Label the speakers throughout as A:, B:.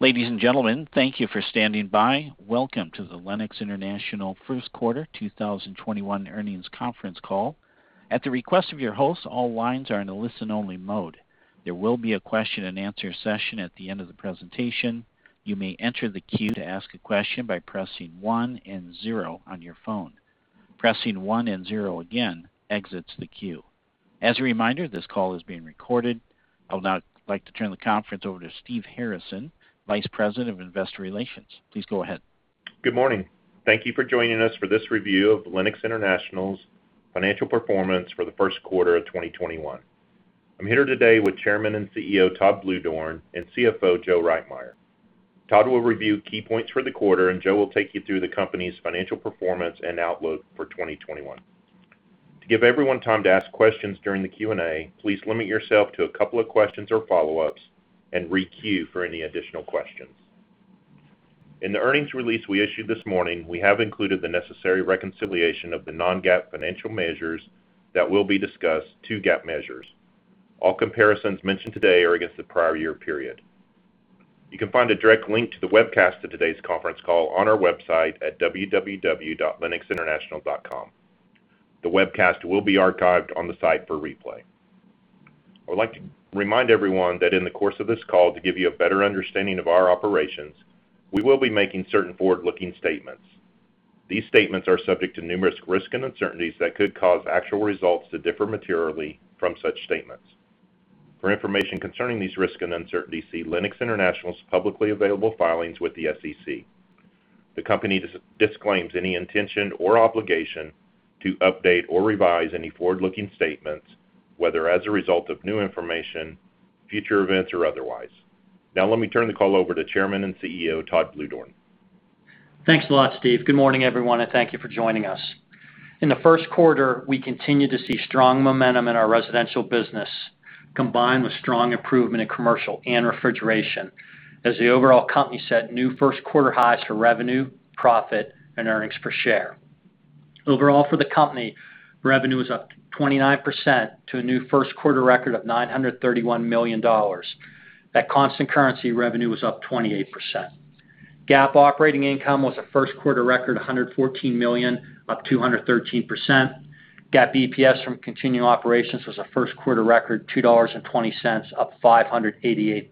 A: Ladies and gentlemen, thank you for standing by. Welcome to the Lennox International First Quarter 2021 Earnings Conference Call. I would now like to turn the conference over to Steve Harrison, Vice President of Investor Relations. Please go ahead.
B: Good morning. Thank you for joining us for this review of Lennox International's financial performance for the first quarter of 2021. I'm here today with Chairman and CEO Todd Bluedorn and CFO Joe Reitmeier. Todd will review key points for the quarter, and Joe will take you through the company's financial performance and outlook for 2021. To give everyone time to ask questions during the Q&A, please limit yourself to a couple of questions or follow-ups and re-queue for any additional questions. In the earnings release we issued this morning, we have included the necessary reconciliation of the non-GAAP financial measures that will be discussed to GAAP measures. All comparisons mentioned today are against the prior year period. You can find a direct link to the webcast of today's conference call on our website at www.lennoxinternational.com. The webcast will be archived on the site for replay. I would like to remind everyone that in the course of this call, to give you a better understanding of our operations, we will be making certain forward-looking statements. These statements are subject to numerous risks and uncertainties that could cause actual results to differ materially from such statements. For information concerning these risks and uncertainties, see Lennox International's publicly available filings with the SEC. The company disclaims any intention or obligation to update or revise any forward-looking statements, whether as a result of new information, future events, or otherwise. Now let me turn the call over to Chairman and CEO Todd Bluedorn.
C: Thanks a lot, Steve. Good morning, everyone, and thank you for joining us. In the first quarter, we continued to see strong momentum in our residential business, combined with strong improvement in commercial and refrigeration, as the overall company set new first-quarter highs for revenue, profit, and earnings per share. Overall for the company, revenue was up 29% to a new first-quarter record of $931 million. At constant currency, revenue was up 28%. GAAP operating income was a first-quarter record $114 million, up 213%. GAAP EPS from continuing operations was a first-quarter record $2.20, up 588%.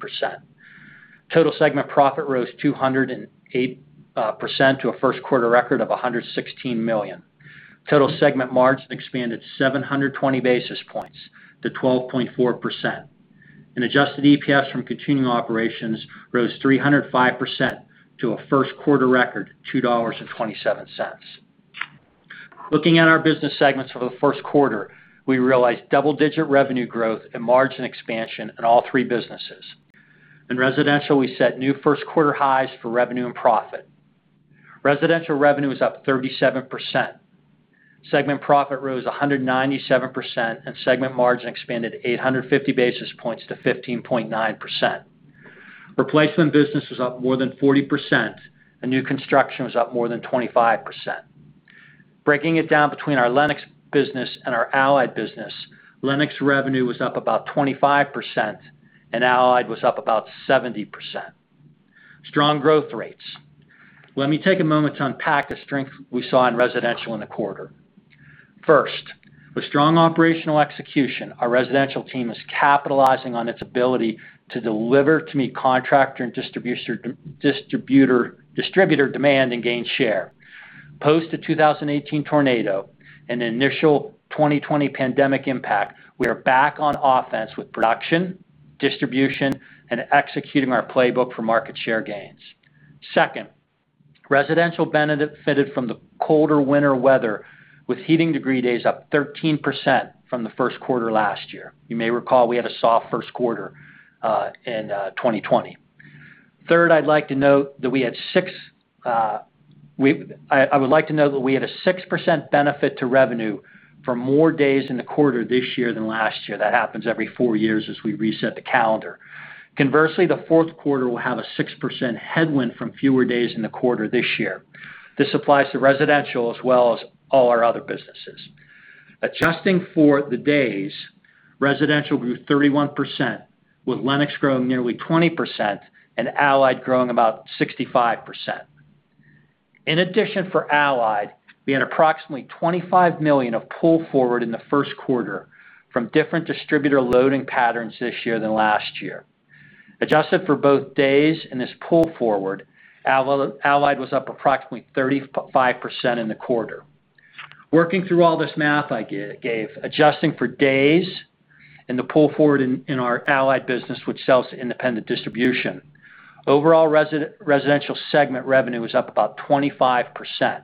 C: Total segment profit rose 208% to a first-quarter record of $116 million. Total segment margin expanded 720 basis points to 12.4%. Adjusted EPS from continuing operations rose 305% to a first-quarter record $2.27. Looking at our business segments for the first quarter, we realized double-digit revenue growth and margin expansion in all three businesses. In residential, we set new first-quarter highs for revenue and profit. Residential revenue was up 37%. Segment profit rose 197%, and segment margin expanded 850 basis points to 15.9%. Replacement business was up more than 40%, and new construction was up more than 25%. Breaking it down between our Lennox business and our Allied business, Lennox revenue was up about 25%, and Allied was up about 70%. Strong growth rates. Let me take a moment to unpack the strength we saw in residential in the quarter. First, with strong operational execution, our residential team is capitalizing on its ability to deliver to meet contractor and distributor demand and gain share. Post the 2018 tornado and the initial 2020 pandemic impact, we are back on offense with production, distribution, and executing our playbook for market share gains. Second, residential benefited from the colder winter weather with heating degree days up 13% from the first quarter last year. You may recall we had a soft first quarter in 2020. Third, I would like to note that we had a 6% benefit to revenue for more days in the quarter this year than last year. That happens every four years as we reset the calendar. Conversely, the fourth quarter will have a 6% headwind from fewer days in the quarter this year. This applies to residential as well as all our other businesses. Adjusting for the days, residential grew 31%, with Lennox growing nearly 20% and Allied growing about 65%. In addition, for Allied, we had approximately $25 million of pull forward in the first quarter from different distributor loading patterns this year than last year. Adjusted for both days and this pull forward, Allied was up approximately 35% in the quarter. Working through all this math I gave, adjusting for days and the pull forward in our Allied business, which sells to independent distribution, overall residential segment revenue was up about 25%.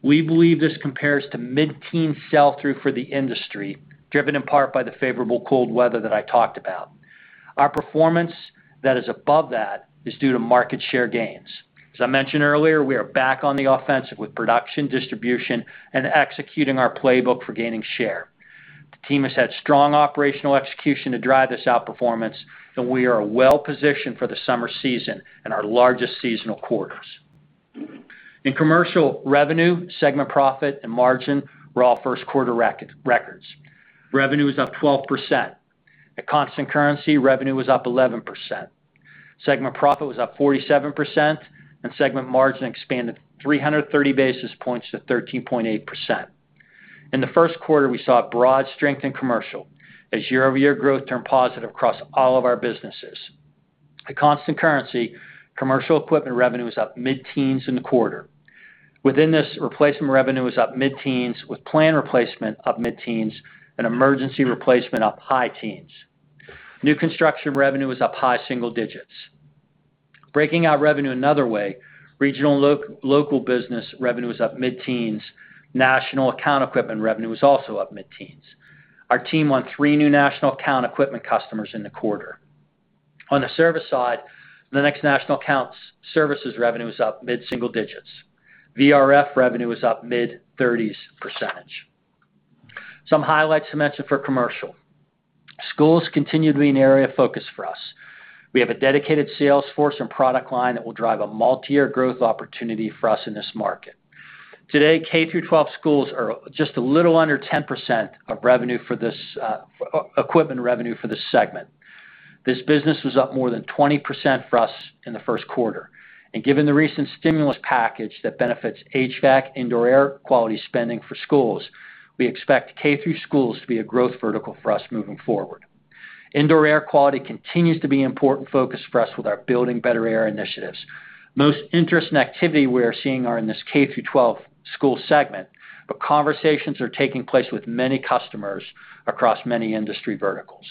C: We believe this compares to mid-teen sell-through for the industry, driven in part by the favorable cold weather that I talked about. Our performance that is above that is due to market share gains. As I mentioned earlier, we are back on the offensive with production, distribution, and executing our playbook for gaining share. The team has had strong operational execution to drive this outperformance, and we are well-positioned for the summer season and our largest seasonal quarters. In commercial revenue, segment profit, and margin were all first-quarter records. Revenue was up 12%. At constant currency, revenue was up 11%. Segment profit was up 47%, and segment margin expanded 330 basis points to 13.8%. In the first quarter, we saw broad strength in commercial as year-over-year growth turned positive across all of our businesses. At constant currency, commercial equipment revenue was up mid-teens in the quarter. Within this, replacement revenue was up mid-teens, with planned replacement up mid-teens and emergency replacement up high teens. New construction revenue was up high single digits. Breaking out revenue another way, regional local business revenue was up mid-teens. National account equipment revenue was also up mid-teens. Our team won three new national account equipment customers in the quarter. On the service side, Lennox national accounts services revenue was up mid-single digits. VRF revenue was up mid 30s%. Some highlights to mention for commercial. Schools continue to be an area of focus for us. We have a dedicated sales force and product line that will drive a multiyear growth opportunity for us in this market. Today, K through 12 schools are just a little under 10% of equipment revenue for this segment. This business was up more than 20% for us in the first quarter. Given the recent stimulus package that benefits HVAC indoor air quality spending for schools, we expect K through 12 schools to be a growth vertical for us moving forward. Indoor air quality continues to be an important focus for us with our Building Better Air initiatives. Most interest and activity we are seeing are in this K through 12 school segment, but conversations are taking place with many customers across many industry verticals.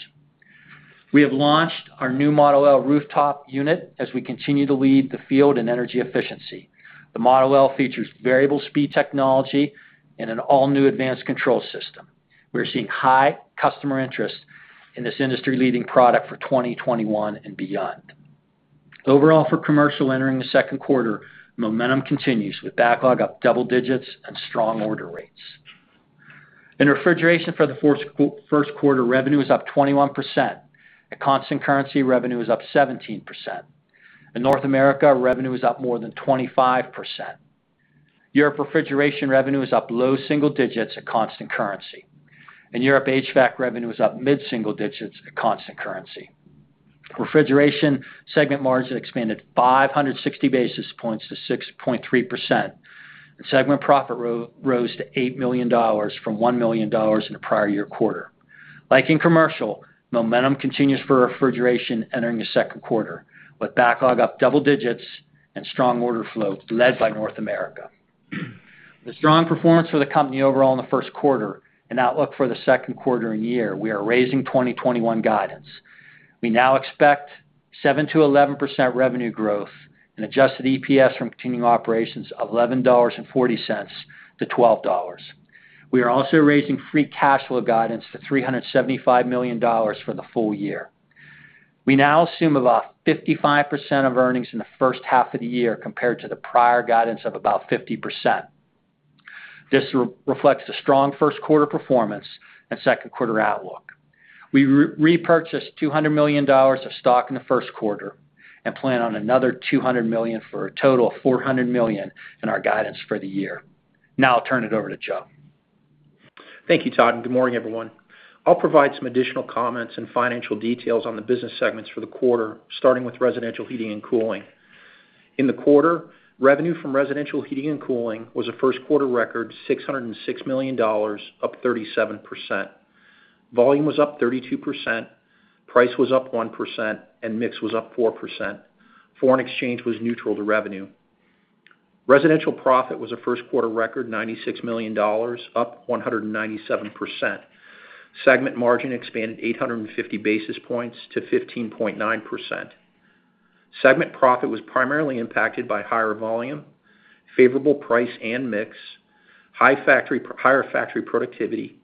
C: We have launched our new Model L rooftop unit as we continue to lead the field in energy efficiency. The Model L features variable speed technology and an all-new advanced control system. We are seeing high customer interest in this industry-leading product for 2021 and beyond. Overall for commercial entering the second quarter, momentum continues with backlog up double digits and strong order rates. In refrigeration for the first quarter, revenue was up 21%. At constant currency, revenue was up 17%. In North America, revenue was up more than 25%. Europe refrigeration revenue was up low single digits at constant currency. In Europe, HVAC revenue was up mid-single digits at constant currency. Refrigeration segment margin expanded 560 basis points to 6.3%, and segment profit rose to $8 million from $1 million in the prior year quarter. Like in commercial, momentum continues for refrigeration entering the second quarter, with backlog up double digits and strong order flow led by North America. The strong performance for the company overall in the first quarter and outlook for the second quarter and year, we are raising 2021 guidance. We now expect 7%-11% revenue growth and adjusted EPS from continuing operations of $11.40-$12. We are also raising free cash flow guidance to $375 million for the full year. We now assume about 55% of earnings in the first half of the year compared to the prior guidance of about 50%. This reflects the strong first quarter performance and second quarter outlook. We repurchased $200 million of stock in the first quarter and plan on another $200 million for a total of $400 million in our guidance for the year. Now I'll turn it over to Joe.
D: Thank you, Todd, good morning, everyone. I'll provide some additional comments and financial details on the business segments for the quarter, starting with residential heating and cooling. In the quarter, revenue from residential heating and cooling was a first-quarter record, $606 million, up 37%. Volume was up 32%, price was up 1%, and mix was up 4%. Foreign exchange was neutral to revenue. Residential profit was a first-quarter record, $96 million, up 197%. Segment margin expanded 850 basis points to 15.9%. Segment profit was primarily impacted by higher volume, favorable price and mix, higher factory productivity,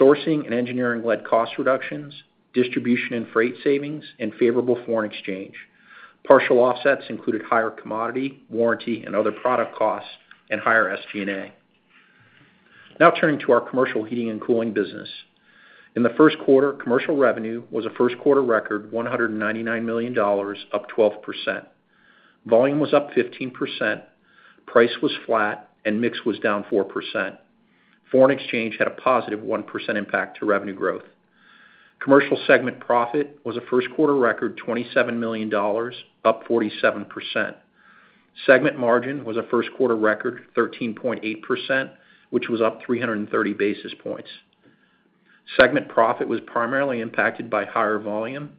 D: sourcing and engineering-led cost reductions, distribution and freight savings, and favorable foreign exchange. Partial offsets included higher commodity, warranty, and other product costs and higher SG&A. Turning to our commercial heating and cooling business. In the first quarter, commercial revenue was a first-quarter record, $199 million, up 12%. Volume was up 15%, price was flat, and mix was down 4%. Foreign exchange had a positive 1% impact to revenue growth. Commercial segment profit was a first-quarter record, $27 million, up 47%. Segment margin was a first-quarter record 13.8%, which was up 330 basis points. Segment profit was primarily impacted by higher volume,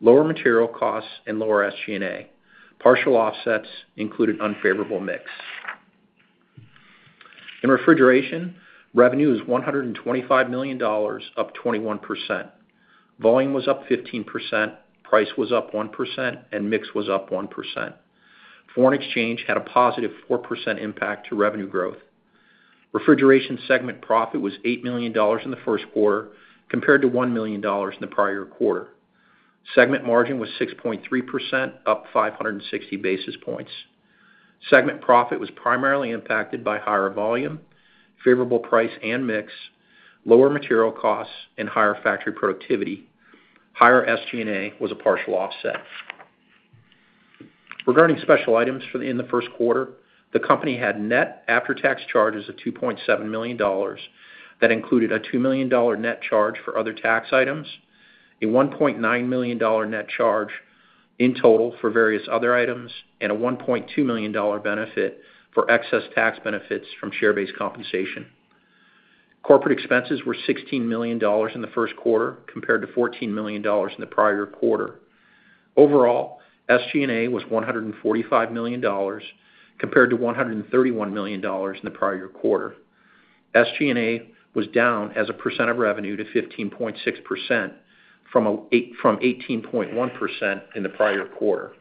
D: lower material costs, and lower SG&A. Partial offsets included unfavorable mix. In refrigeration, revenue was $125 million, up 21%. Volume was up 15%, price was up 1%, and mix was up 1%. Foreign exchange had a positive 4% impact to revenue growth. Refrigeration segment profit was $8 million in the first quarter, compared to $1 million in the prior quarter. Segment margin was 6.3%, up 560 basis points. Segment profit was primarily impacted by higher volume, favorable price and mix, lower material costs and higher factory productivity. Higher SG&A was a partial offset. Regarding special items in the first quarter, the company had net after-tax charges of $2.7 million that included a $2 million net charge for other tax items, a $1.9 million net charge in total for various other items, and a $1.2 million benefit for excess tax benefits from share-based compensation. Corporate expenses were $16 million in the first quarter, compared to $14 million in the prior quarter. Overall, SG&A was $145 million, compared to $131 million in the prior quarter. SG&A was down as a percent of revenue to 15.6% from 18.1% in the prior quarter.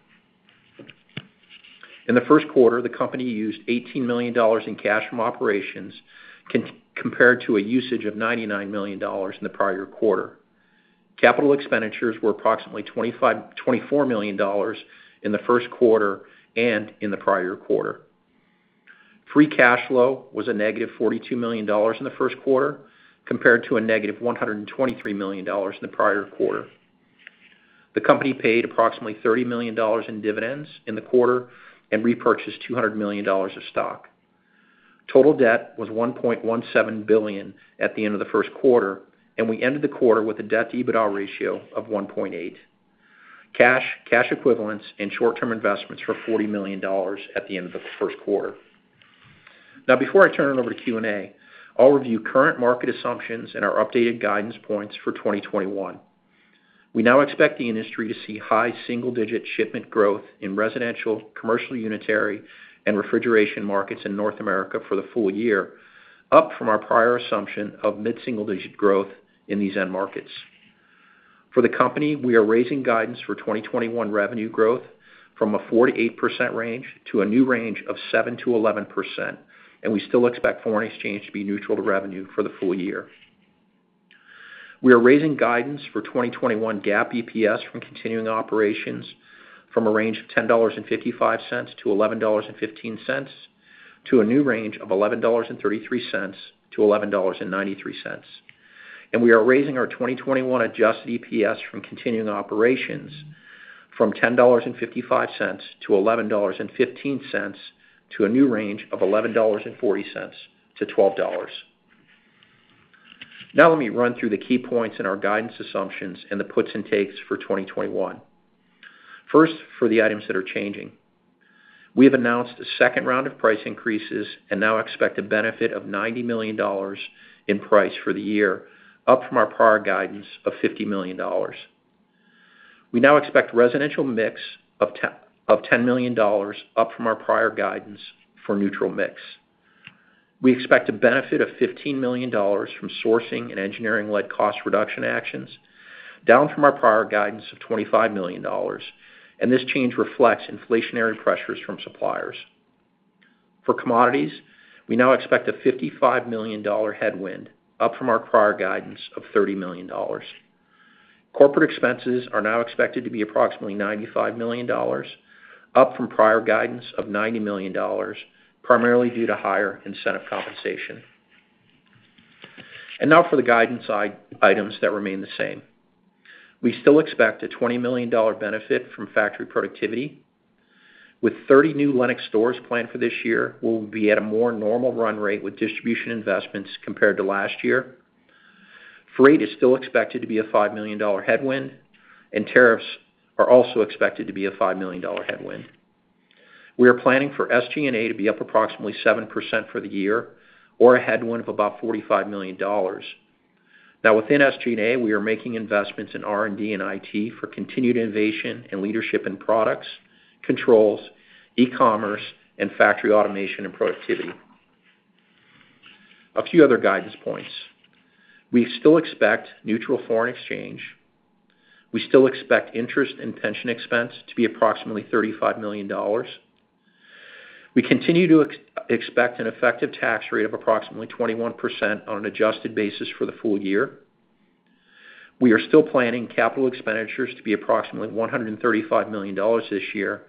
D: In the first quarter, the company used $18 million in cash from operations, compared to a usage of $99 million in the prior quarter. Capital expenditures were approximately $24 million in the first quarter and in the prior quarter. Free cash flow was a $-42 million in the first quarter, compared to a $-123 million in the prior quarter. The company paid approximately $30 million in dividends in the quarter and repurchased $200 million of stock. Total debt was $1.17 billion at the end of the first quarter, and we ended the quarter with a debt-to-EBITDA ratio of 1.8. Cash equivalents and short-term investments were $40 million at the end of the first quarter. Now, before I turn it over to Q&A, I'll review current market assumptions and our updated guidance points for 2021. We now expect the industry to see high single-digit shipment growth in residential, commercial unitary, and refrigeration markets in North America for the full year, up from our prior assumption of mid-single-digit growth in these end markets. For the company, we are raising guidance for 2021 revenue growth from a 4%-8% range to a new range of 7%-11%, We still expect foreign exchange to be neutral to revenue for the full year. We are raising guidance for 2021 GAAP EPS from continuing operations from a range of $10.55-$11.15, to a new range of $11.33-$11.93. We are raising our 2021 adjusted EPS from continuing operations from $10.55-$11.15, to a new range of $11.40-$12. Let me run through the key points in our guidance assumptions and the puts and takes for 2021. For the items that are changing. We have announced a second round of price increases and now expect a benefit of $90 million in price for the year, up from our prior guidance of $50 million. We now expect residential mix of $10 million, up from our prior guidance for neutral mix. We expect a benefit of $15 million from sourcing and engineering-led cost reduction actions, down from our prior guidance of $25 million. This change reflects inflationary pressures from suppliers. For commodities, we now expect a $55 million headwind, up from our prior guidance of $30 million. Corporate expenses are now expected to be approximately $95 million, up from prior guidance of $90 million, primarily due to higher incentive compensation. Now for the guidance items that remain the same. We still expect a $20 million benefit from factory productivity. With 30 new Lennox stores planned for this year, we will be at a more normal run rate with distribution investments compared to last year. Freight is still expected to be a $5 million headwind. Tariffs are also expected to be a $5 million headwind. We are planning for SG&A to be up approximately 7% for the year, or a headwind of about $45 million. Within SG&A, we are making investments in R&D and IT for continued innovation and leadership in products, controls, e-commerce, and factory automation and productivity. A few other guidance points. We still expect neutral foreign exchange. We still expect interest and pension expense to be approximately $35 million. We continue to expect an effective tax rate of approximately 21% on an adjusted basis for the full year. We are still planning capital expenditures to be approximately $135 million this year,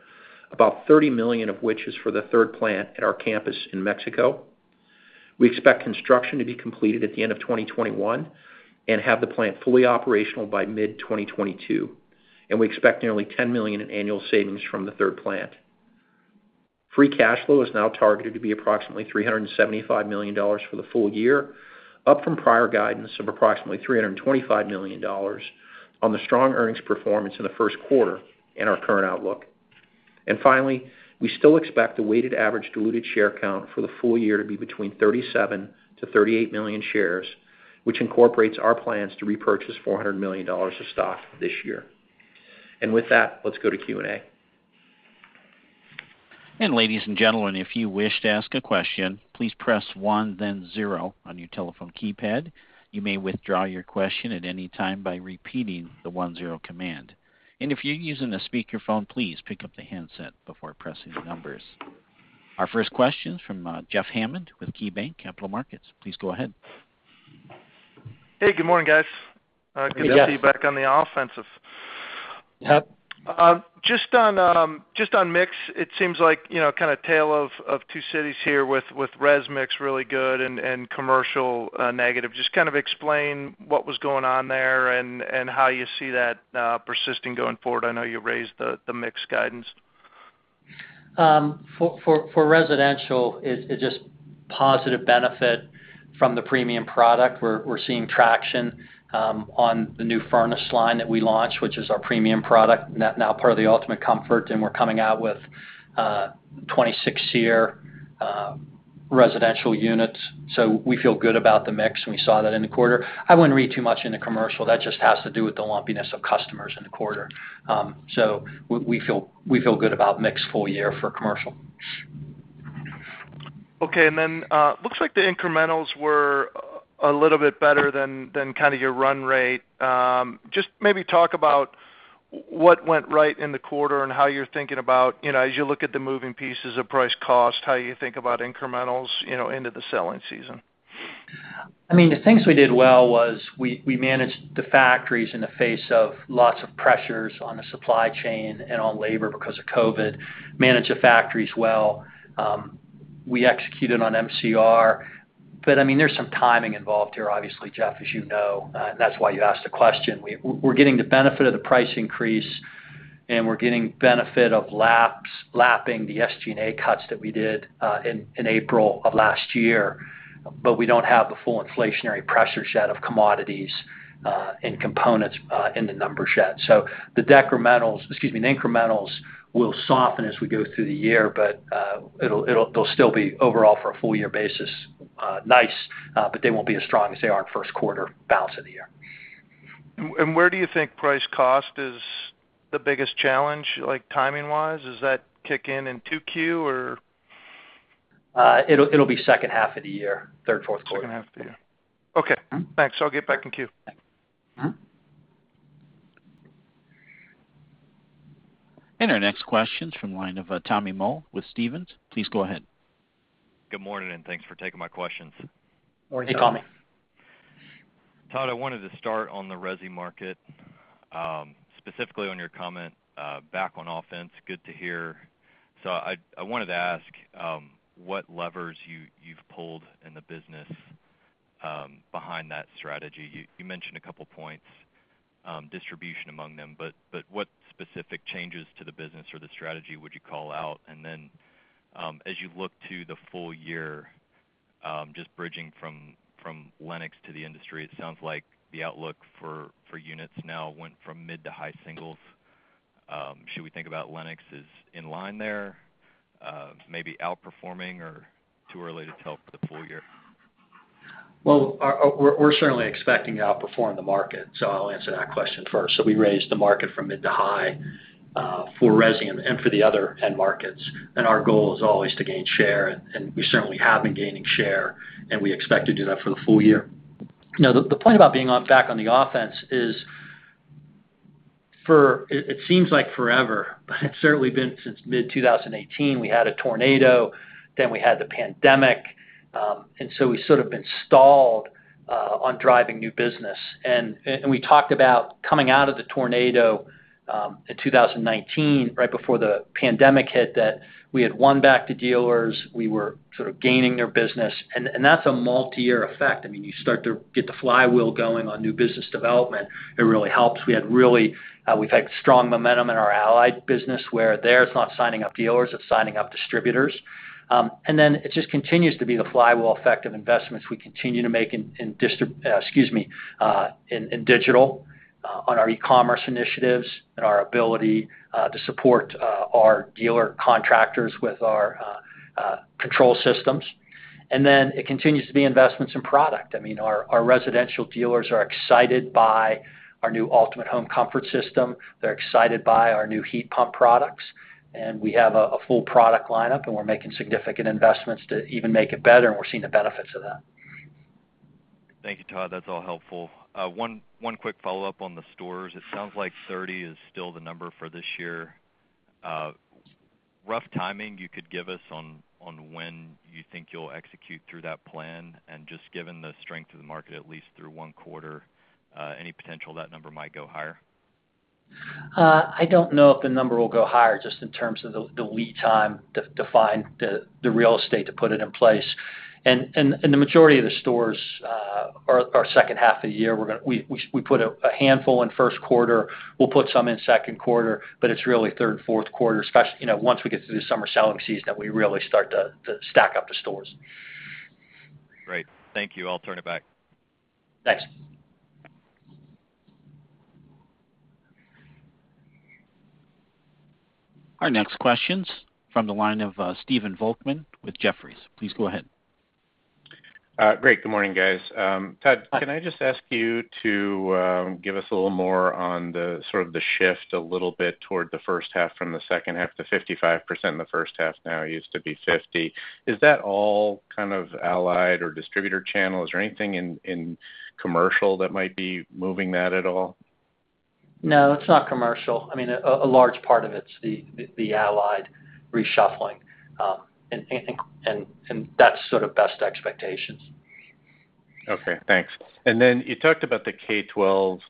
D: about $30 million of which is for the third plant at our campus in Mexico. We expect construction to be completed at the end of 2021 and have the plant fully operational by mid-2022. We expect nearly $10 million in annual savings from the third plant. Free cash flow is now targeted to be approximately $375 million for the full year, up from prior guidance of approximately $325 million on the strong earnings performance in the first quarter and our current outlook. Finally, we still expect the weighted average diluted share count for the full year to be between 37 million-38 million shares, which incorporates our plans to repurchase $400 million of stock this year. With that, let's go to Q&A.
A: Ladies and gentlemen, if you wish to ask a question, please Press one, then zero on your telephone keypad. You may withdraw your question at any time by repeating the one zero command. If you're using a speakerphone, please pick up the handset before pressing the numbers. Our first question is from Jeff Hammond with KeyBanc Capital Markets. Please go ahead.
E: Hey, good morning, guys.
D: Hey, Jeff.
E: Good to see you back on the offensive.
C: Yep.
E: Just on mix, it seems like a tale of two cities here with res mix really good and commercial negative. Just explain what was going on there and how you see that persisting going forward. I know you raised the mix guidance.
C: For residential, it's just positive benefit from the premium product. We're seeing traction on the new furnace line that we launched, which is our premium product, now part of the Ultimate Comfort, and we're coming out with 26 SEER residential units. We feel good about the mix, and we saw that in the quarter. I wouldn't read too much into commercial. That just has to do with the lumpiness of customers in the quarter. We feel good about mix full year for commercial.
E: Okay. Looks like the incrementals were a little bit better than your run rate. Just maybe talk about what went right in the quarter and how you're thinking about, as you look at the moving pieces of price cost, how you think about incrementals into the selling season.
C: The things we did well was we managed the factories in the face of lots of pressures on the supply chain and on labor because of COVID, managed the factories well. We executed on MCR. There's some timing involved here, obviously, Jeff, as you know, and that's why you asked the question. We're getting the benefit of the price increase, and we're getting benefit of laps, lapping the SG&A cuts that we did in April of last year. We don't have the full inflationary pressure shed of commodities and components in the numbers yet. The decrementals, excuse me, the incrementals will soften as we go through the year, but they'll still be overall for a full year basis nice, but they won't be as strong as they are in first quarter balance of the year.
E: Where do you think price cost is the biggest challenge, timing wise? Does that kick in in 2Q or?
C: It'll be second half of the year, third, fourth quarter.
E: Second half of the year. Okay, thanks. I'll get back in queue.
A: Our next question's from the line of Tommy Moll with Stephens. Please go ahead.
F: Good morning, and thanks for taking my questions.
C: Morning, Tommy.
E: Hey, Tommy.
F: Todd, I wanted to start on the resi market, specifically on your comment, back on offense. Good to hear. I wanted to ask what levers you've pulled in the business behind that strategy. You mentioned a couple points, distribution among them, but what specific changes to the business or the strategy would you call out? As you look to the full year, just bridging from Lennox to the industry, it sounds like the outlook for units now went from mid to high singles. Should we think about Lennox as in line there, maybe outperforming, or too early to tell for the full year?
C: Well, we're certainly expecting to outperform the market. I'll answer that question first. We raised the market from mid to high for resi and for the other end markets. Our goal is always to gain share, and we certainly have been gaining share, and we expect to do that for the full year. The point about being back on the offense is for, it seems like forever, but it's certainly been since mid-2018. We had a tornado, then we had the pandemic. We've sort of been stalled on driving new business. We talked about coming out of the tornado in 2019, right before the pandemic hit, that we had won back the dealers. We were sort of gaining their business, and that's a multi-year effect. You start to get the flywheel going on new business development, it really helps. We've had strong momentum in our Allied business where there it's not signing up dealers, it's signing up distributors. It just continues to be the flywheel effect of investments we continue to make in digital on our e-commerce initiatives and our ability to support our dealer contractors with our control systems. It continues to be investments in product. Our residential dealers are excited by our new Ultimate Comfort System. They're excited by our new heat pump products. We have a full product lineup. We're making significant investments to even make it better. We're seeing the benefits of that.
F: Thank you, Todd. That's all helpful. One quick follow-up on the stores. It sounds like 30 is still the number for this year. Rough timing you could give us on when you think you'll execute through that plan and just given the strength of the market, at least through one quarter, any potential that number might go higher?
C: I don't know if the number will go higher just in terms of the lead time to find the real estate to put it in place. The majority of the stores are second half of the year. We put a handful in first quarter. We'll put some in second quarter, but it's really third and fourth quarter, especially once we get through the summer selling season that we really start to stack up the stores.
F: Great. Thank you. I'll turn it back.
C: Thanks.
A: Our next question's from the line of Stephen Volkmann with Jefferies. Please go ahead.
G: Great. Good morning, guys. Todd, can I just ask you to give us a little more on the shift a little bit toward the first half from the second half to 55% in the first half now. It used to be 50%. Is that all kind of Allied or distributor channels? Is there anything in commercial that might be moving that at all?
C: No, it's not commercial. A large part of it's the Allied reshuffling. That's sort of best expectations.
H: Okay, thanks. You talked about the K-12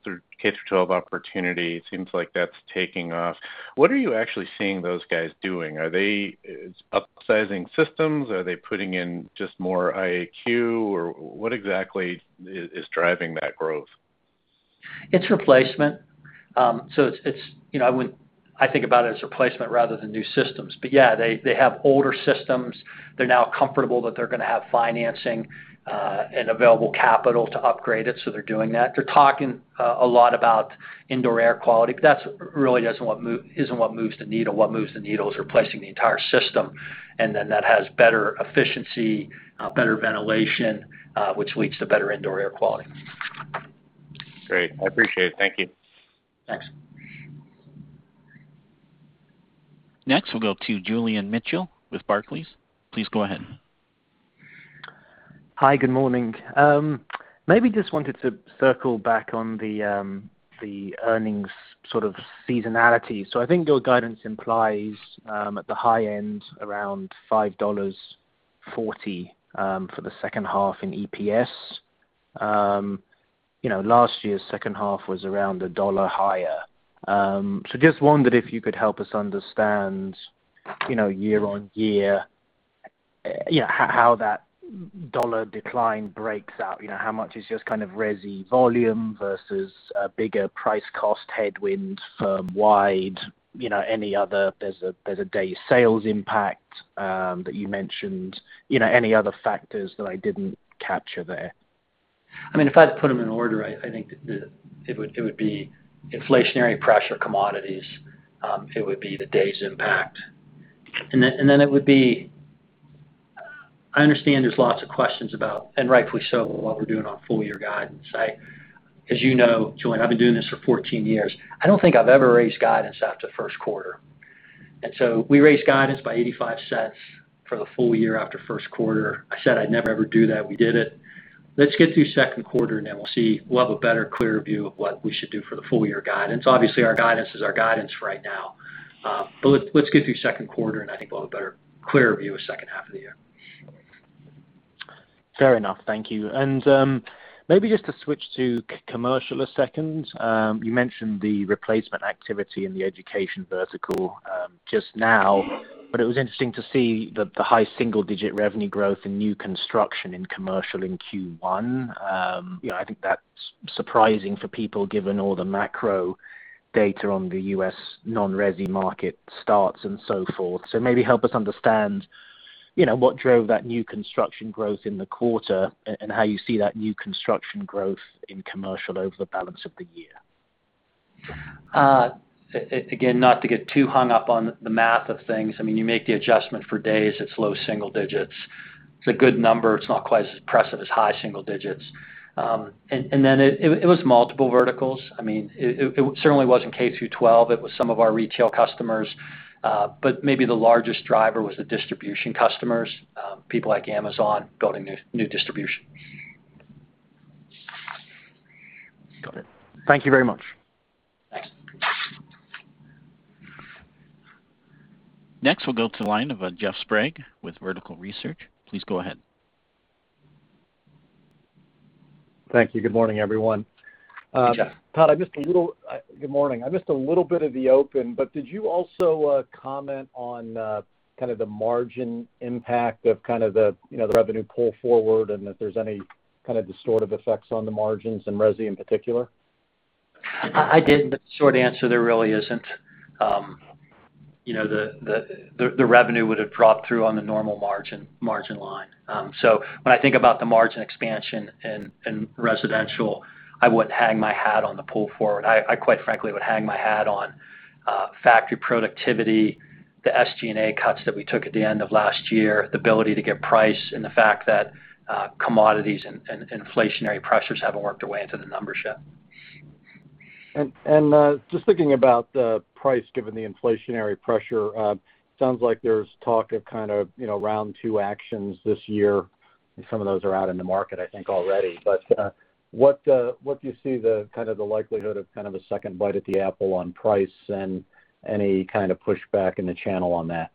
H: opportunity. It seems like that's taking off. What are you actually seeing those guys doing? Are they upsizing systems? Are they putting in just more IAQ, or what exactly is driving that growth?
C: It's replacement. I think about it as replacement rather than new systems. Yeah, they have older systems. They're now comfortable that they're going to have financing and available capital to upgrade it, so they're doing that. They're talking a lot about indoor air quality, but that really isn't what moves the needle. What moves the needle is replacing the entire system, and then that has better efficiency, better ventilation, which leads to better indoor air quality.
H: Great. I appreciate it. Thank you.
C: Thanks.
A: Next, we'll go to Julian Mitchell with Barclays. Please go ahead.
I: Hi. Good morning. Maybe just wanted to circle back on the earnings sort of seasonality. I think your guidance implies, at the high end, around $5.40 for the second half in EPS. Last year's second half was around $1 higher. Just wondered if you could help us understand, year-over-year, how that dollar decline breaks out. How much is just kind of resi volume versus a bigger price cost headwind firm-wide? There's a day sales impact that you mentioned. Any other factors that I didn't capture there?
C: If I had to put them in order, I think it would be inflationary pressure commodities. It would be the day's impact. I understand there's lots of questions about, and rightfully so, what we're doing on full year guidance. As you know, Julian, I've been doing this for 14 years. I don't think I've ever raised guidance after first quarter. We raised guidance by $0.85 for the full year after first quarter. I said I'd never, ever do that. We did it. Let's get through second quarter, we'll see. We'll have a better, clearer view of what we should do for the full year guidance. Obviously, our guidance is our guidance right now. Let's get through second quarter, I think we'll have a better, clearer view of second half of the year.
I: Fair enough. Thank you. Maybe just to switch to commercial a second. You mentioned the replacement activity in the education vertical just now, but it was interesting to see the high single-digit revenue growth in new construction in commercial in Q1. I think that's surprising for people given all the macro data on the U.S. non-resi market starts and so forth. Maybe help us understand what drove that new construction growth in the quarter and how you see that new construction growth in commercial over the balance of the year.
C: Not to get too hung up on the math of things. You make the adjustment for days, it's low single digits. It's a good number. It's not quite as impressive as high single digits. It was multiple verticals. It certainly wasn't K through 12. It was some of our retail customers. Maybe the largest driver was the distribution customers. People like Amazon building new distribution.
I: Got it. Thank you very much.
C: Thanks.
A: Next, we'll go to the line of Jeffrey Sprague with Vertical Research. Please go ahead.
H: Thank you. Good morning, everyone.
C: Yeah.
H: Todd, good morning. I missed a little bit of the open, but did you also comment on kind of the margin impact of the revenue pull forward, and if there's any kind of distortive effects on the margins in resi in particular?
C: Short answer, there really isn't. The revenue would have dropped through on the normal margin line. When I think about the margin expansion in residential, I wouldn't hang my hat on the pull forward. I quite frankly, would hang my hat on factory productivity, the SG&A cuts that we took at the end of last year, the ability to get price, and the fact that commodities and inflationary pressures haven't worked their way into the numbers yet.
H: Just thinking about the price given the inflationary pressure, sounds like there's talk of kind of round 2 actions this year, and some of those are out in the market, I think, already. What do you see the likelihood of kind of a second bite at the apple on price and any kind of pushback in the channel on that?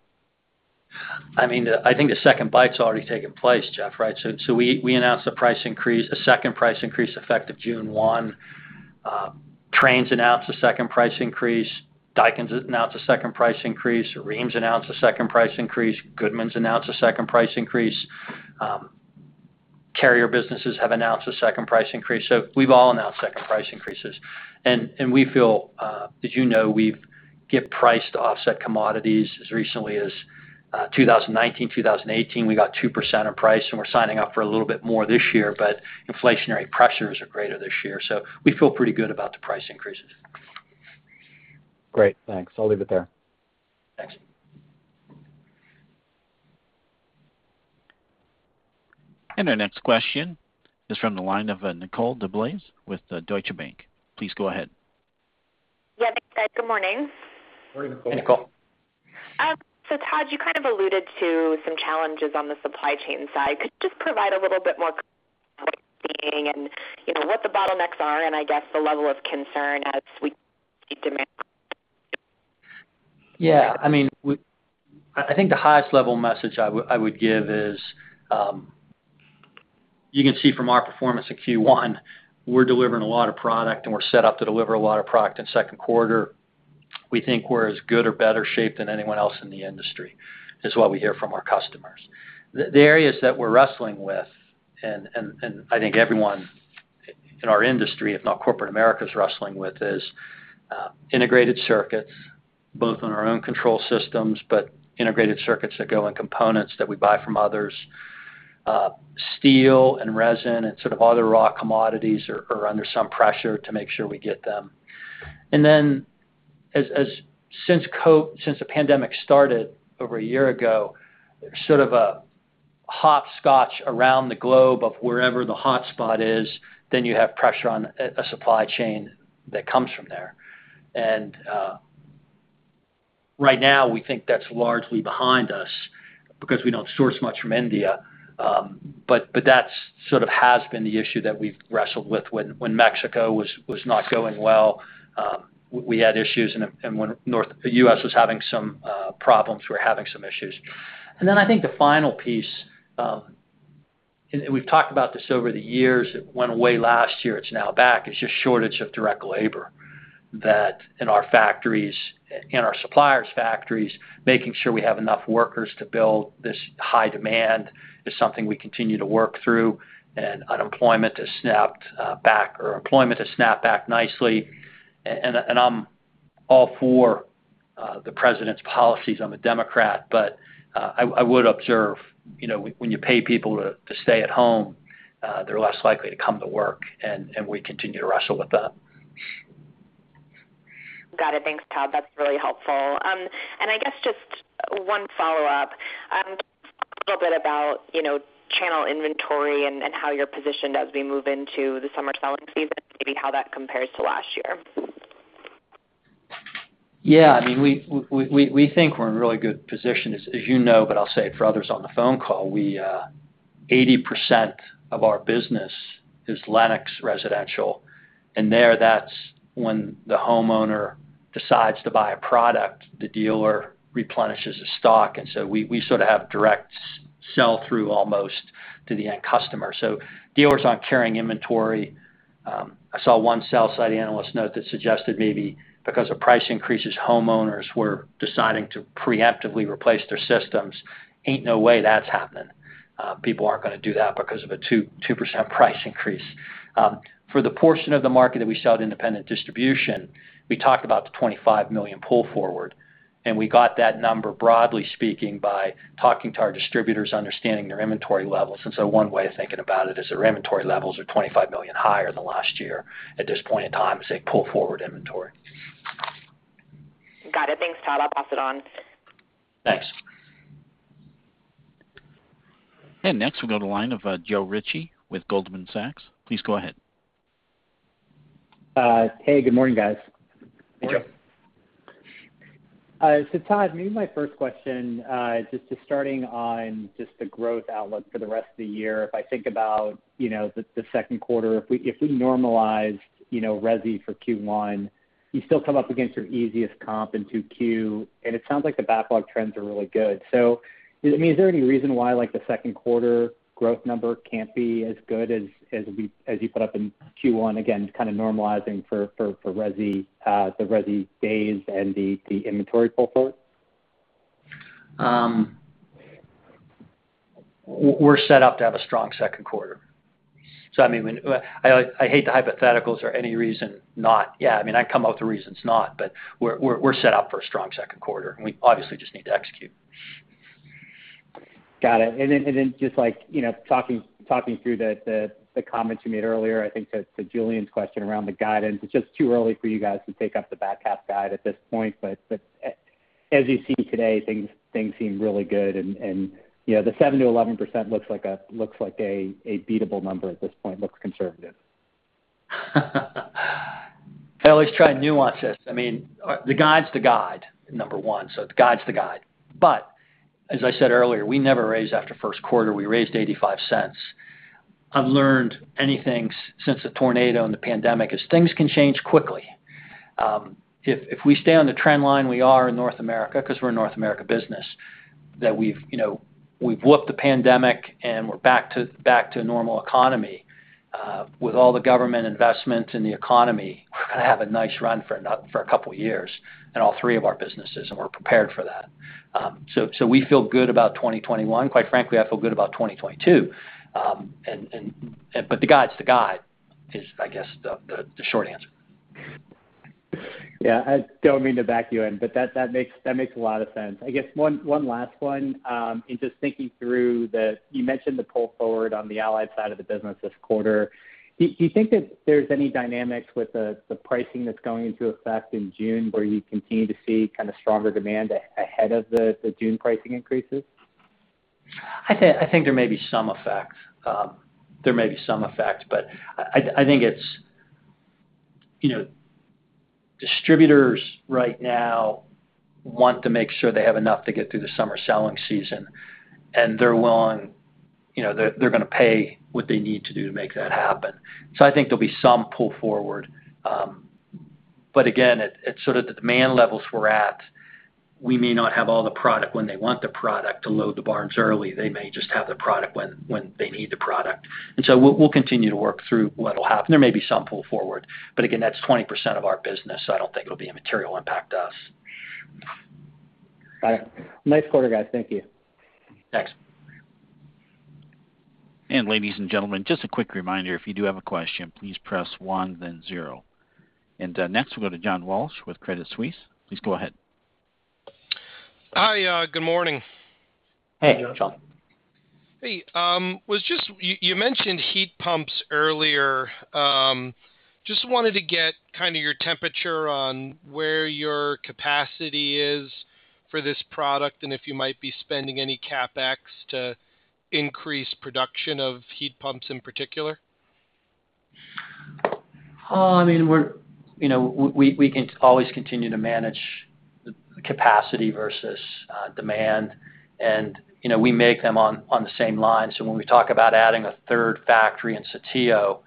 C: I think the second bite's already taken place, Jeff, right? We announced a second price increase effective June 1. Trane's announced a second price increase. Daikin's announced a second price increase. Rheem's announced a second price increase. Goodman's announced a second price increase. Carrier businesses have announced a second price increase. We've all announced second price increases. We feel, as you know, we get priced to offset commodities as recently as 2019, 2018. We got 2% in price, and we're signing up for a little bit more this year, but inflationary pressures are greater this year, so we feel pretty good about the price increases.
H: Great. Thanks. I'll leave it there.
C: Thanks.
A: Our next question is from the line of Nicole DeBlase with Deutsche Bank. Please go ahead.
J: Yeah. Good morning.
C: Morning, Nicole.
A: Hey, Nicole.
J: Todd, you kind of alluded to some challenges on the supply chain side. Could you just provide a little bit more color on what you're seeing, and what the bottlenecks are and I guess the level of concern as we see demand?
C: Yeah. I think the highest level message I would give is, you can see from our performance in Q1, we're delivering a lot of product, and we're set up to deliver a lot of product in second quarter. We think we're as good or better shape than anyone else in the industry, is what we hear from our customers. The areas that we're wrestling with, and I think everyone in our industry, if not corporate America, is wrestling with, is integrated circuits, both on our own control systems, but integrated circuits that go in components that we buy from others. Steel and resin and sort of other raw commodities are under some pressure to make sure we get them. Since the pandemic started over a year ago, sort of a hopscotch around the globe of wherever the hotspot is, then you have pressure on a supply chain that comes from there. Right now, we think that's largely behind us because we don't source much from India. That sort of has been the issue that we've wrestled with. When Mexico was not going well, we had issues, and when the U.S. was having some problems, we were having some issues. I think the final piece, and we've talked about this over the years, it went away last year, it's now back, is just shortage of direct labor that in our factories, in our suppliers' factories, making sure we have enough workers to build this high demand is something we continue to work through. Unemployment has snapped back, or employment has snapped back nicely. I'm all for the president's policies. I'm a Democrat, but I would observe when you pay people to stay at home, they're less likely to come to work, and we continue to wrestle with that.
J: Got it. Thanks, Todd. That's really helpful. I guess just one follow-up. Can you talk a little bit about channel inventory and how you're positioned as we move into the summer selling season, maybe how that compares to last year?
C: Yeah. We think we're in a really good position. As you know, but I'll say it for others on the phone call, 80% of our business is Lennox residential, and there, that's when the homeowner decides to buy a product, the dealer replenishes the stock. We sort of have direct sell-through almost to the end customer. Dealers aren't carrying inventory. I saw one sell side analyst note that suggested maybe because of price increases, homeowners were deciding to preemptively replace their systems. Ain't no way that's happening. People aren't going to do that because of a 2% price increase. For the portion of the market that we sell to independent distribution, we talked about the 25 million pull forward, and we got that number, broadly speaking, by talking to our distributors, understanding their inventory levels. One way of thinking about it is their inventory levels are $25 million higher than last year at this point in time as they pull forward inventory.
J: Got it. Thanks, Todd. I'll pass it on.
C: Thanks.
A: Next we go to the line of Joe Ritchie with Goldman Sachs. Please go ahead.
K: Hey, good morning, guys.
C: Good morning.
K: Todd, maybe my first question is just starting on just the growth outlook for the rest of the year. If I think about the second quarter, if we normalized resi for Q1, you still come up against your easiest comp in 2Q, and it sounds like the backlog trends are really good. Is there any reason why the second quarter growth number can't be as good as you put up in Q1, again, just kind of normalizing for the resi days and the inventory pull forward?
C: We're set up to have a strong second quarter. I hate the hypotheticals or any reason not. Yeah, I can come up with reasons not, but we're set up for a strong second quarter, and we obviously just need to execute.
K: Got it. Just talking through the comments you made earlier, I think to Julian Mitchell's question around the guidance, it's just too early for you guys to take up the back half guide at this point. As you see today, things seem really good, and the 7%-11% looks like a beatable number at this point, looks conservative.
C: I always try and nuance this. The guide's the guide, number one. The guide's the guide. As I said earlier, we never raise after first quarter. We raised $0.85. I've learned anything since the tornado and the pandemic is things can change quickly. If we stay on the trend line we are in North America, because we're a North America business, that we've whooped the pandemic and we're back to a normal economy. With all the government investment in the economy, we're going to have a nice run for a couple of years in all three of our businesses, and we're prepared for that. We feel good about 2021. Quite frankly, I feel good about 2022. The guide's the guide is, I guess, the short answer.
K: Yeah. I don't mean to back you in, but that makes a lot of sense. I guess one last one. In just thinking through, you mentioned the pull forward on the Allied side of the business this quarter. Do you think that there's any dynamics with the pricing that's going into effect in June where you continue to see kind of stronger demand ahead of the June pricing increases?
C: I think there may be some effect. I think it's distributors right now want to make sure they have enough to get through the summer selling season, and they're going to pay what they need to do to make that happen. I think there'll be some pull forward. Again, at the demand levels we're at, we may not have all the product when they want the product to load the barns early. They may just have the product when they need the product. We'll continue to work through what'll happen. There may be some pull forward, but again, that's 20% of our business, so I don't think it'll be a material impact to us.
K: Got it. Nice quarter, guys. Thank you.
C: Thanks.
A: Ladies and gentlemen, just a quick reminder, if you do have a question, please press one then zero. Next we'll go to John Walsh with Credit Suisse. Please go ahead.
L: Hi. Good morning.
C: Hey, John.
L: Hey. You mentioned heat pumps earlier. Just wanted to get your temperature on where your capacity is for this product and if you might be spending any CapEx to increase production of heat pumps in particular.
C: We can always continue to manage the capacity versus demand. We make them on the same line. When we talk about adding a third factory in Saltillo,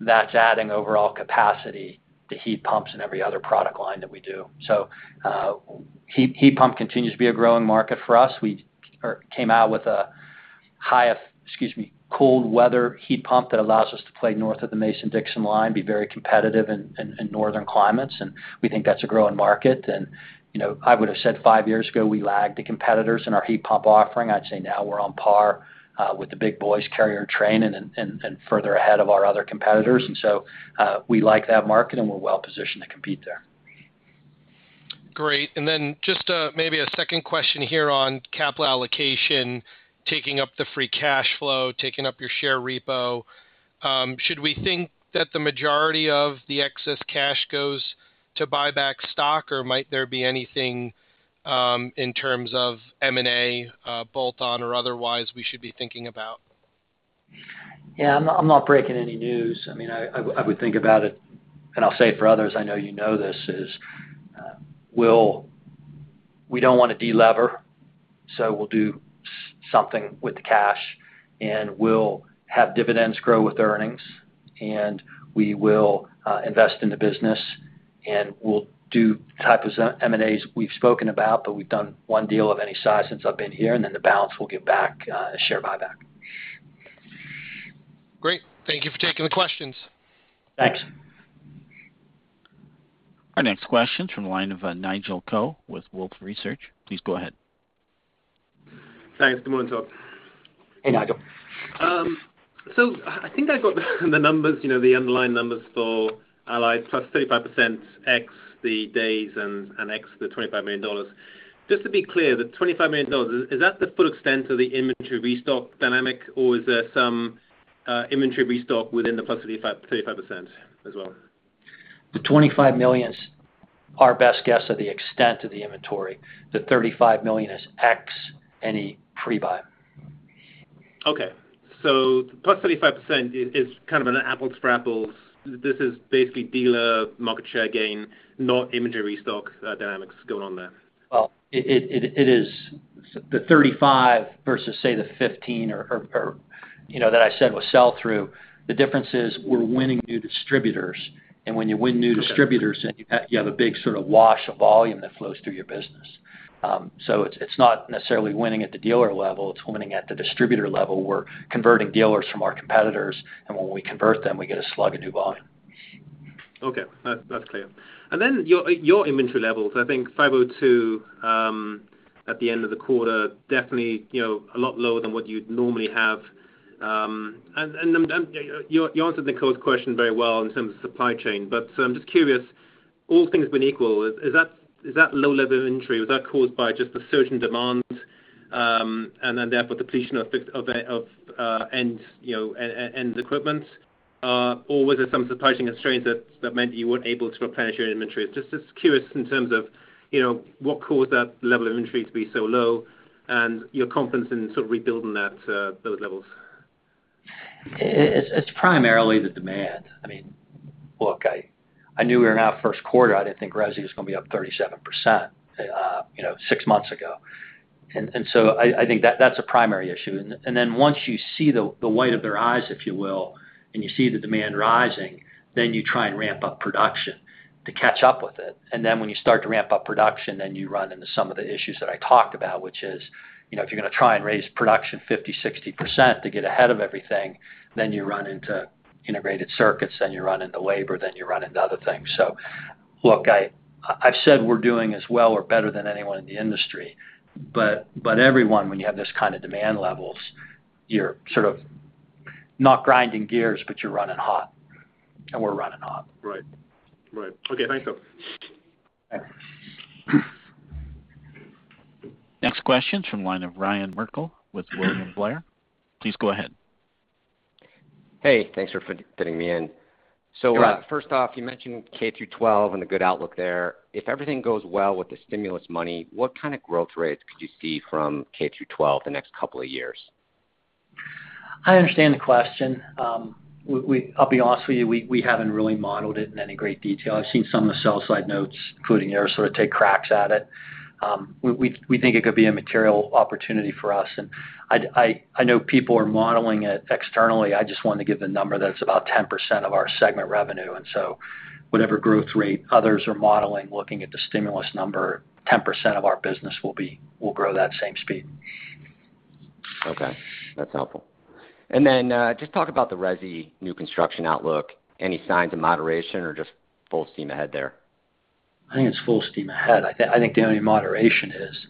C: that's adding overall capacity to heat pumps and every other product line that we do. Heat pump continues to be a growing market for us. We came out with a cold weather heat pump that allows us to play north of the Mason-Dixon line, be very competitive in northern climates, and we think that's a growing market. I would've said five years ago, we lagged the competitors in our heat pump offering. I'd say now we're on par with the big boys, Carrier and Trane, and further ahead of our other competitors. We like that market, and we're well-positioned to compete there.
L: Great. Then just maybe a second question here on capital allocation, taking up the free cash flow, taking up your share repo. Should we think that the majority of the excess cash goes to buy back stock, or might there be anything in terms of M&A, bolt-on or otherwise, we should be thinking about?
C: Yeah, I'm not breaking any news. I would think about it, I'll say it for others, I know you know this, is we don't want to de-lever. We'll do something with the cash. We'll have dividends grow with earnings. We will invest in the business. We'll do the type of M&As we've spoken about. We've done one deal of any size since I've been here. The balance we'll give back as share buyback.
L: Great. Thank you for taking the questions.
C: Thanks.
A: Our next question's from the line of Nigel Coe with Wolfe Research. Please go ahead.
M: Thanks. Good morning, Todd.
C: Hey, Nigel.
M: I think I've got the underlying numbers for Allied, plus 35% ex the days and ex the $25 million. Just to be clear, the $25 million, is that the full extent of the inventory restock dynamic, or is there some inventory restock within the plus 35% as well?
C: The $25 million's our best guess of the extent of the inventory. The $35 million is ex any pre-buy.
M: Okay. Plus 35% is kind of an apples for apples. This is basically dealer market share gain, not inventory restock dynamics going on there.
C: Well, it is the 35 versus, say, the 15 that I said was sell-through. The difference is we're winning new distributors, and when you win new distributors, then you have a big sort of wash of volume that flows through your business. It's not necessarily winning at the dealer level, it's winning at the distributor level. We're converting dealers from our competitors, and when we convert them, we get a slug of new volume.
M: Okay. That's clear. Your inventory levels, I think 502 at the end of the quarter, definitely a lot lower than what you'd normally have. You answered Nicole's question very well in terms of supply chain, but I'm just curious, all things being equal, is that low level of inventory, was that caused by just the surge in demand, and then therefore depletion of end equipment? Was there some surprising constraints that meant that you weren't able to replenish your inventory? Just curious in terms of what caused that level of inventory to be so low and your confidence in sort of rebuilding those levels.
C: It's primarily the demand. Look, I knew we were going to have a first quarter out. I didn't think resi was going to be up 37% six months ago. I think that's a primary issue. Once you see the white of their eyes, if you will, and you see the demand rising, then you try and ramp up production to catch up with it. When you start to ramp up production, then you run into some of the issues that I talked about, which is if you're going to try and raise production 50%, 60% to get ahead of everything, then you run into integrated circuits, then you run into labor, then you run into other things. Look, I've said we're doing as well or better than anyone in the industry, but everyone, when you have this kind of demand levels, you're sort of not grinding gears, but you're running hot. We're running hot.
M: Right. Okay. Thanks, Todd.
C: Okay.
A: Next question's from the line of Ryan Merkel with William Blair. Please go ahead.
N: Hey, thanks for fitting me in.
C: You got it.
N: First off, you mentioned K-through-12 and the good outlook there. If everything goes well with the stimulus money, what kind of growth rates could you see from K-through-12 the next couple of years?
C: I understand the question. I'll be honest with you, we haven't really modeled it in any great detail. I've seen some of the sell-side notes, including yours, sort of take cracks at it. We think it could be a material opportunity for us, and I know people are modeling it externally. I just wanted to give the number that it's about 10% of our segment revenue. Whatever growth rate others are modeling looking at the stimulus number, 10% of our business will grow that same speed.
N: Okay. That's helpful. Just talk about the resi new construction outlook. Any signs of moderation or just full steam ahead there?
C: I think it's full steam ahead. I think the only moderation is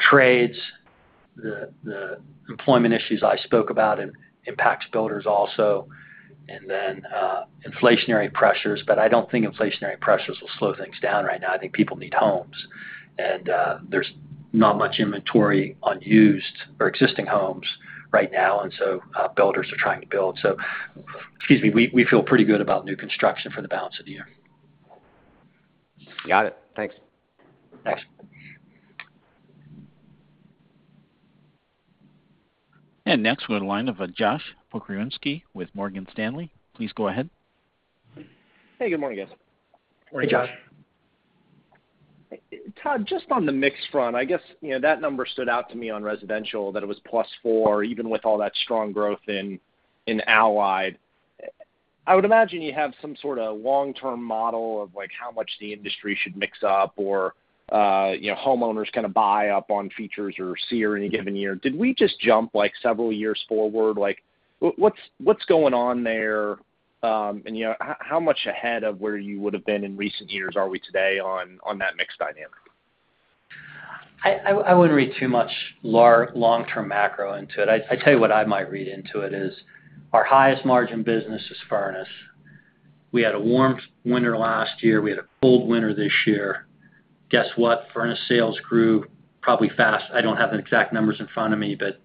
C: trades, the employment issues I spoke about, it impacts builders also, and then inflationary pressures. I don't think inflationary pressures will slow things down right now. I think people need homes. There's not much inventory on used or existing homes right now, and so builders are trying to build. We feel pretty good about new construction for the balance of the year.
N: Got it. Thanks.
C: Thanks.
A: Next we have the line of Josh Pokrzywinski with Morgan Stanley. Please go ahead.
O: Hey, good morning, guys.
C: Morning, Josh.
O: Todd, just on the mix front, I guess that number stood out to me on residential, that it was plus four, even with all that strong growth in Allied. I would imagine you have some sort of long-term model of how much the industry should mix up or homeowners kind of buy up on features or SEER in any given year. Did we just jump several years forward? What's going on there? And how much ahead of where you would've been in recent years are we today on that mix dynamic?
C: I wouldn't read too much long-term macro into it. I tell you what I might read into it is our highest margin business is furnace. We had a warm winter last year. We had a cold winter this year. Guess what? Furnace sales grew probably fast. I don't have the exact numbers in front of me, but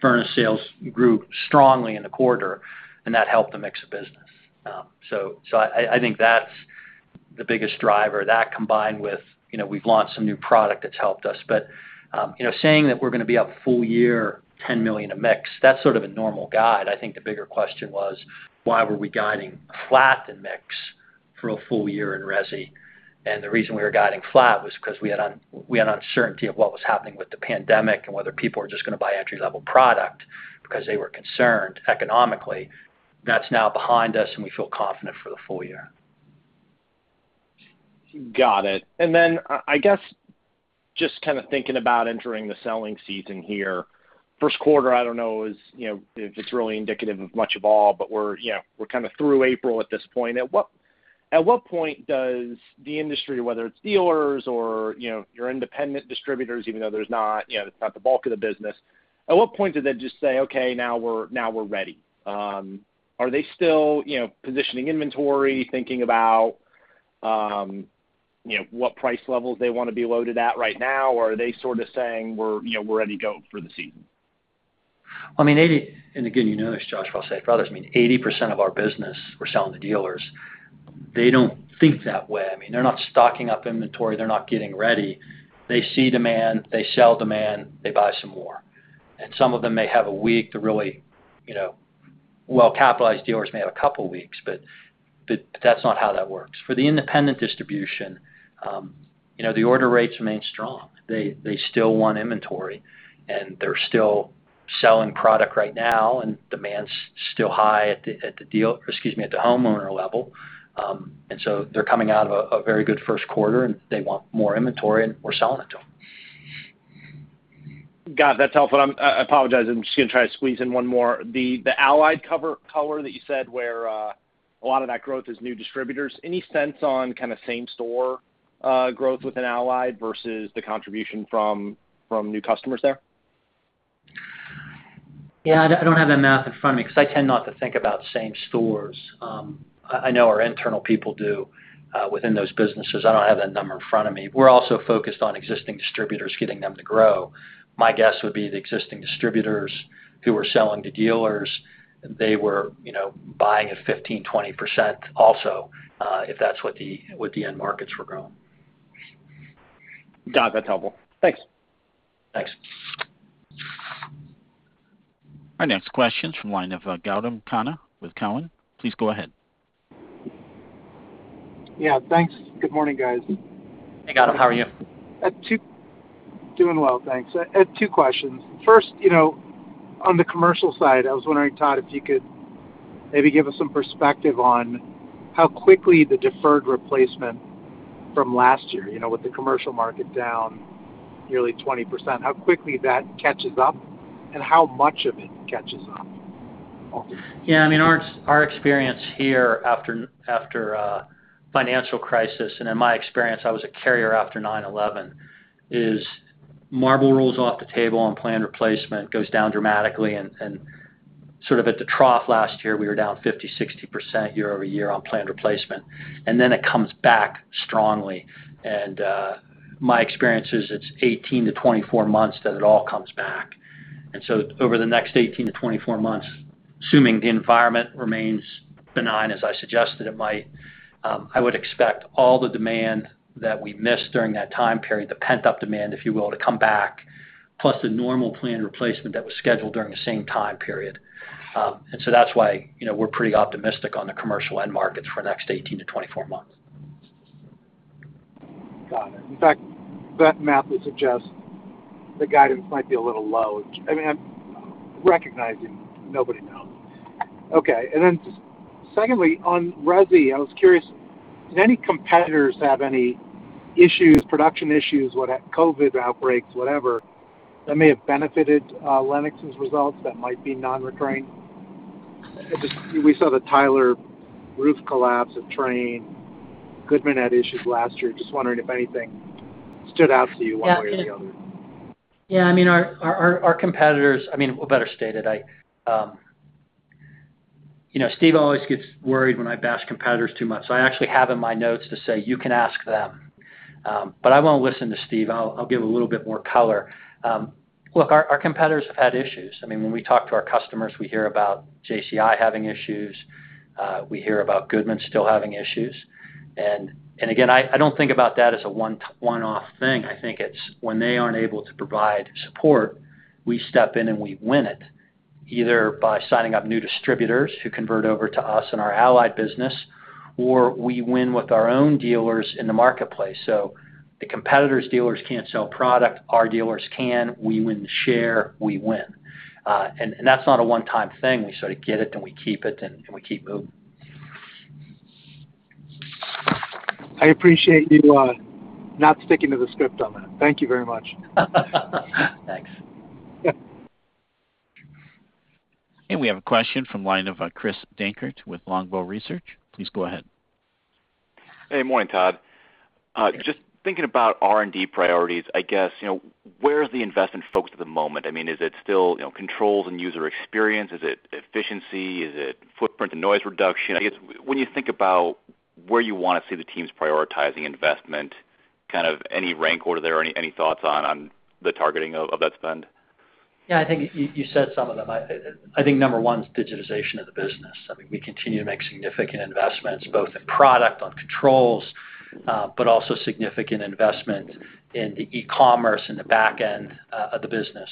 C: furnace sales grew strongly in the quarter, and that helped the mix of business. I think that's the biggest driver. That combined with we've launched some new product that's helped us. Saying that we're going to be up full year $10 million in mix, that's sort of a normal guide. I think the bigger question was why were we guiding flat in mix for a full year in resi? The reason we were guiding flat was because we had uncertainty of what was happening with the pandemic and whether people were just going to buy entry-level product because they were concerned economically. That's now behind us, and we feel confident for the full year.
O: Got it. I guess just kind of thinking about entering the selling season here. First quarter, I don't know if it's really indicative of much of all, but we're kind of through April at this point. At what point does the industry, whether it's dealers or your independent distributors, even though it's not the bulk of the business, at what point do they just say, "Okay, now we're ready"? Are they still positioning inventory, thinking about what price levels they want to be loaded at right now, or are they sort of saying, "We're ready to go for the season?
C: Again, you know this, Josh, what I'll say. 80% of our business, we're selling to dealers. They don't think that way. They're not stocking up inventory. They're not getting ready. They see demand. They sell demand. They buy some more. Some of them may have a week. Well-capitalized dealers may have a couple of weeks, but that's not how that works. For the independent distribution, the order rates remain strong. They still want inventory, and they're still selling product right now, and demand's still high at the homeowner level. They're coming out of a very good first quarter, and they want more inventory and we're selling it to them.
O: Got it. That's helpful. I apologize, I'm just going to try to squeeze in one more. The Allied color that you said where a lot of that growth is new distributors. Any sense on kind of same store growth within Allied versus the contribution from new customers there?
C: Yeah, I don't have the math in front of me because I tend not to think about same stores. I know our internal people do within those businesses. I don't have that number in front of me. We're also focused on existing distributors, getting them to grow. My guess would be the existing distributors who are selling to dealers, they were buying at 15%-20% also, if that's what the end markets were growing.
O: Got it. That's helpful. Thanks.
C: Thanks.
A: Our next question's from the line of Gautam Khanna with Cowen. Please go ahead.
P: Yeah, thanks. Good morning, guys.
C: Hey, Gautam. How are you?
P: Doing well, thanks. I have two questions. First, on the commercial side, I was wondering, Todd, if you could maybe give us some perspective on how quickly the deferred replacement from last year with the commercial market down nearly 20%, how quickly that catches up and how much of it catches up?
C: Yeah. Our experience here after a financial crisis, and in my experience, I was a Carrier after 9th November, is model rolls off the table on planned replacement, goes down dramatically, and sort of at the trough last year, we were down 50%, 60% year-over-year on planned replacement. Then it comes back strongly. My experience is it's 18-24 months that it all comes back. Over the next 18-24 months-Assuming the environment remains benign as I suggested it might, I would expect all the demand that we missed during that time period, the pent-up demand, if you will, to come back, plus the normal planned replacement that was scheduled during the same time period. That's why we're pretty optimistic on the commercial end markets for the next 18-24 months.
P: Got it. In fact, that math would suggest the guidance might be a little low. I mean, I'm recognizing nobody knows. Okay. Secondly, on resi, I was curious, did any competitors have any production issues, COVID outbreaks, whatever, that may have benefited Lennox's results that might be non-recurring? We saw the Tyler roof collapse at Trane. Goodman had issues last year. Just wondering if anything stood out to you one way or the other.
C: Our competitors, well, better stated. Steve Harrison always gets worried when I bash competitors too much, so I actually have in my notes to say, "You can ask them." I won't listen to Steve Harrison. I'll give a little bit more color. Look, our competitors have had issues. When we talk to our customers, we hear about Johnson Controls International having issues. We hear about Goodman still having issues. Again, I don't think about that as a one-off thing. I think it's when they aren't able to provide support, we step in and we win it, either by signing up new distributors who convert over to us in our Allied business, or we win with our own dealers in the marketplace. The competitor's dealers can't sell product, our dealers can. We win the share, we win. That's not a one-time thing. We sort of get it and we keep it and we keep moving.
P: I appreciate you not sticking to the script on that. Thank you very much.
C: Thanks.
P: Yeah.
A: We have a question from the line of Chris Dankert with Longbow Research. Please go ahead.
Q: Hey. Morning, Todd. Just thinking about R&D priorities, I guess, where is the investment focused at the moment? I mean, is it still controls and user experience? Is it efficiency? Is it footprint and noise reduction? I guess when you think about where you want to see the teams prioritizing investment, kind of any rank order there, or any thoughts on the targeting of that spend?
C: Yeah, I think you said some of them. I think number one is digitization of the business. We continue to make significant investments both in product, on controls, but also significant investment in the e-commerce and the back end of the business.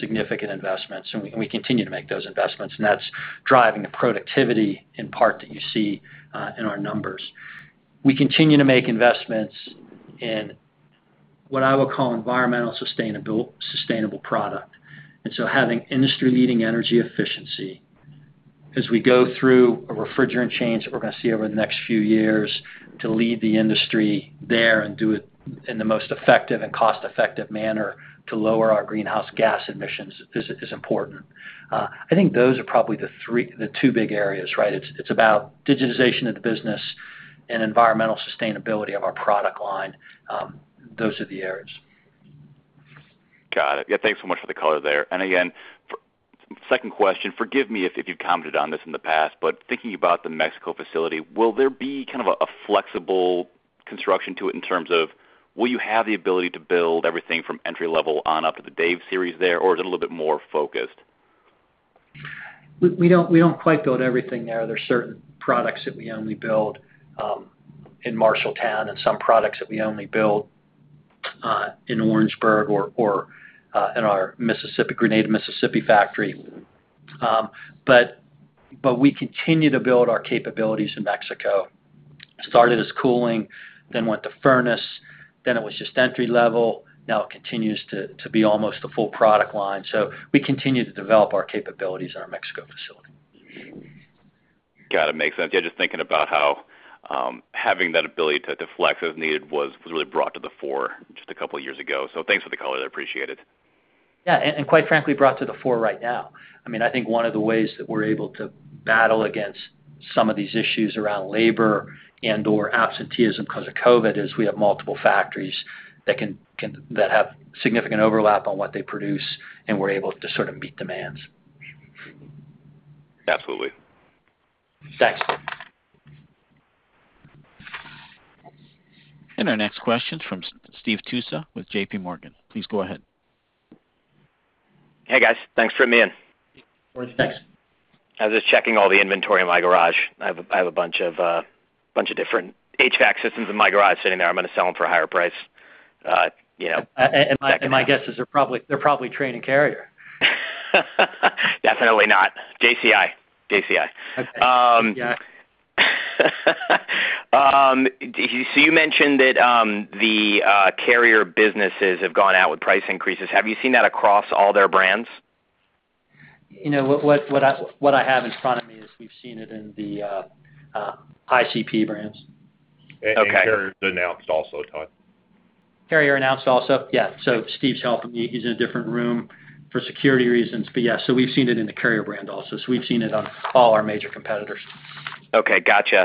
C: Significant investments. We continue to make those investments. That's driving the productivity in part that you see in our numbers. We continue to make investments in what I would call environmental sustainable product. Having industry-leading energy efficiency as we go through a refrigerant change that we're going to see over the next few years to lead the industry there and do it in the most effective and cost-effective manner to lower our greenhouse gas emissions is important. I think those are probably the two big areas, right? It's about digitization of the business and environmental sustainability of our product line. Those are the areas.
Q: Got it. Yeah, thanks so much for the color there. Second question. Forgive me if you've commented on this in the past, but thinking about the Mexico facility, will there be kind of a flexible construction to it in terms of will you have the ability to build everything from entry level on up to the Dave series there, or is it a little bit more focused?
C: We don't quite build everything there. There's certain products that we only build in Marshalltown and some products that we only build in Orangeburg or in our Grenada, Mississippi factory. We continue to build our capabilities in Mexico. Started as cooling, then went to furnace, then it was just entry level. Now it continues to be almost a full product line. We continue to develop our capabilities in our Mexico facility.
Q: Got it. Makes sense. Yeah, just thinking about how having that ability to deflect as needed was really brought to the fore just a couple of years ago. Thanks for the color. Appreciate it.
C: Yeah. Quite frankly, brought to the fore right now, I think one of the ways that we're able to battle against some of these issues around labor and/or absenteeism because of COVID is we have multiple factories that have significant overlap on what they produce, and we're able to sort of meet demands.
Q: Absolutely.
C: Thanks.
A: Our next question from Steve Tusa with J.P. Morgan. Please go ahead.
R: Hey, guys. Thanks for fitting me in.
C: Of course. Thanks.
R: I was just checking all the inventory in my garage. I have a bunch of different HVAC systems in my garage sitting there. I'm going to sell them for a higher price.
C: My guess is they're probably Trane and Carrier.
R: Definitely not. JCI.
C: Okay. JCI.
R: You mentioned that the Carrier businesses have gone out with price increases. Have you seen that across all their brands?
C: What I have in front of me is we've seen it in the ICP brands.
B: Okay. Carrier's announced also, Todd.
C: Carrier announced also? Yeah. Steve's helping me. He's in a different room for security reasons. Yeah, we've seen it in the Carrier brand also. We've seen it on all our major competitors.
R: Okay. Got you.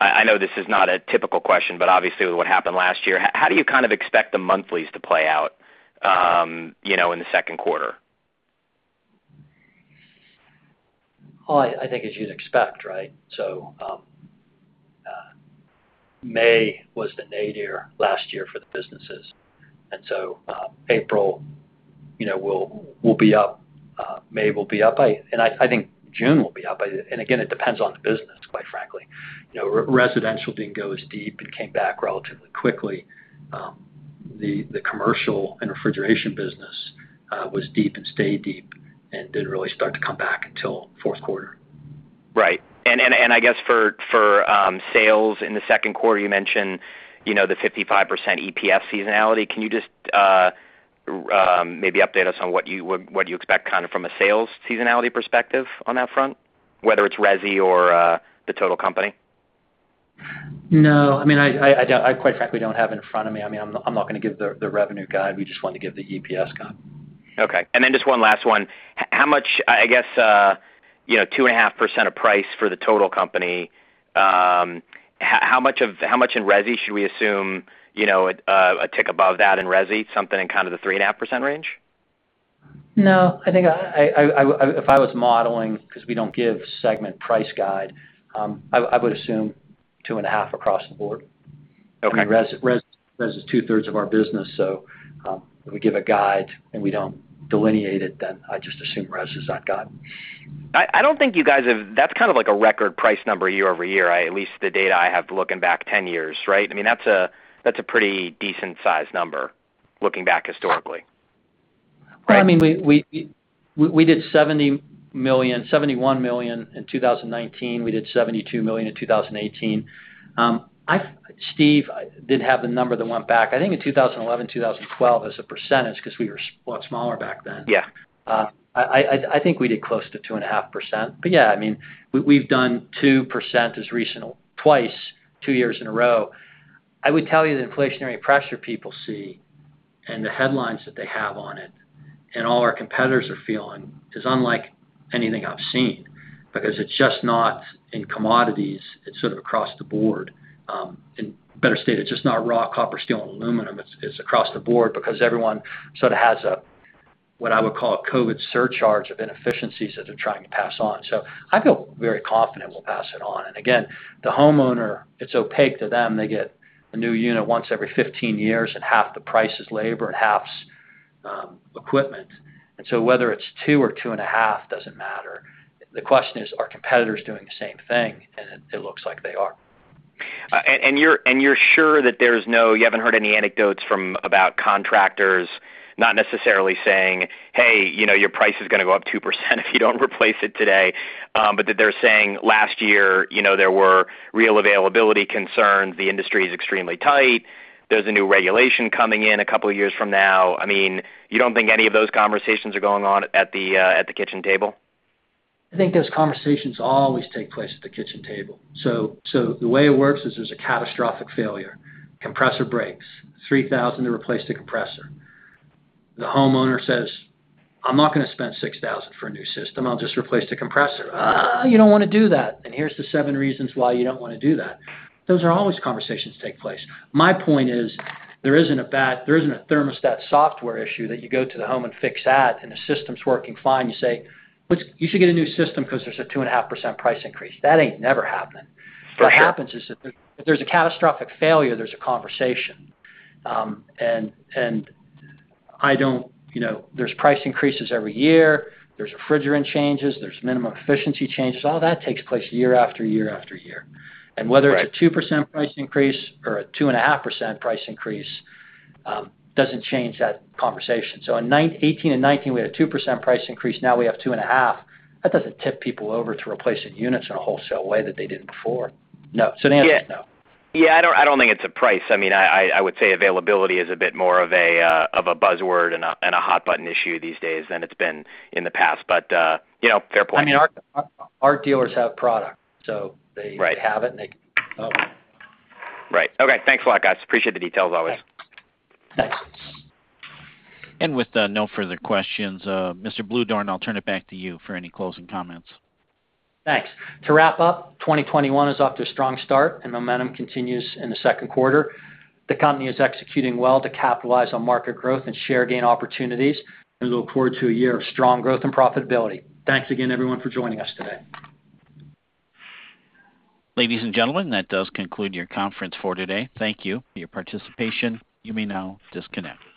R: I know this is not a typical question, but obviously with what happened last year, how do you kind of expect the monthlies to play out in the second quarter?
C: I think as you'd expect, right? May was the nadir last year for the businesses. April will be up, May will be up, and I think June will be up. Again, it depends on the business, quite frankly. Residential didn't go as deep and came back relatively quickly. The commercial and refrigeration business was deep and stayed deep, and didn't really start to come back until fourth quarter.
R: Right. I guess for sales in the second quarter, you mentioned the 55% EPS seasonality. Can you just maybe update us on what you expect from a sales seasonality perspective on that front, whether it's resi or the total company?
C: No. I quite frankly don't have it in front of me. I'm not going to give the revenue guide. We just wanted to give the EPS guide.
R: Okay. Just one last one. How much, I guess, 2.5% of price for the total company, how much in resi should we assume, a tick above that in resi? Something in the 3.5% range?
C: No. I think if I was modeling, because we don't give segment price guide, I would assume 2.5 across the board.
R: Okay.
C: Resi is two thirds of our business, so if we give a guide and we don't delineate it, then I just assume resi's that guide.
R: That's kind of like a record price number year-over-year, at least the data I have looking back 10 years, right? That's a pretty decent size number looking back historically.
C: We did $71 million in 2019. We did $72 million in 2018. Steve did have the number that went back, I think in 2011, 2012, as a %, because we were a lot smaller back then.
R: Yeah.
C: I think we did close to 2.5%. Yeah, we've done 2% twice, two years in a row. I would tell you the inflationary pressure people see, the headlines that they have on it, all our competitors are feeling, is unlike anything I've seen, because it's just not in commodities, it's sort of across the board. Better stated, it's just not raw copper, steel, and aluminum. It's across the board because everyone sort of has a, what I would call a COVID surcharge of inefficiencies that they're trying to pass on. I feel very confident we'll pass it on. Again, the homeowner, it's opaque to them. They get a new unit once every 15 years, half the price is labor and half's equipment. Whether it's two or two and a half doesn't matter. The question is, are competitors doing the same thing? It looks like they are.
R: You're sure that you haven't heard any anecdotes from about contractors not necessarily saying, "Hey, your price is going to go up 2% if you don't replace it today." But that they're saying last year, there were real availability concerns. The industry is extremely tight. There's a new regulation coming in a couple of years from now. You don't think any of those conversations are going on at the kitchen table?
C: I think those conversations always take place at the kitchen table. The way it works is there's a catastrophic failure. Compressor breaks, $3,000 to replace the compressor. The homeowner says, "I'm not going to spend $6,000 for a new system. I'll just replace the compressor." You don't want to do that. Here's the seven reasons why you don't want to do that. Those are always conversations take place. My point is, there isn't a thermostat software issue that you go to the home and fix that and the system's working fine. You say, "You should get a new system because there's a 2.5% price increase." That ain't never happening.
R: For sure.
C: What happens is that if there's a catastrophic failure, there's a conversation. There's price increases every year. There's refrigerant changes. There's minimum efficiency changes. All that takes place year after year after year.
R: Right.
C: Whether it's a 2% price increase or a 2.5% price increase, doesn't change that conversation. In 2018 and 2019, we had a 2% price increase. Now we have 2.5. That doesn't tip people over to replacing units in a wholesale way that they didn't before.
R: No.
C: The answer's no.
R: Yeah, I don't think it's a price. I would say availability is a bit more of a buzzword and a hot button issue these days than it's been in the past. Fair point.
C: Our dealers have product.
R: Right.
C: They have it and they Oh.
R: Right. Okay. Thanks a lot, guys. Appreciate the details always.
C: Thanks.
A: With no further questions, Mr. Bluedorn, I'll turn it back to you for any closing comments.
C: Thanks. To wrap up, 2021 is off to a strong start, and momentum continues in the second quarter. The company is executing well to capitalize on market growth and share gain opportunities. We look forward to a year of strong growth and profitability. Thanks again, everyone, for joining us today.
A: Ladies and gentlemen, that does conclude your conference for today. Thank you for your participation. You may now disconnect.